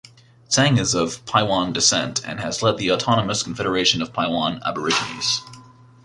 Tseng is of Paiwan descent and has led the Autonomous Confederation of Paiwan Aborigines.